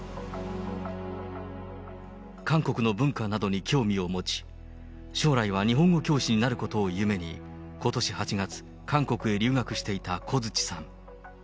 韓国の文化などに興味を持ち、将来は日本語教師になることを夢に、ことし８月、韓国へ留学していた小槌さん。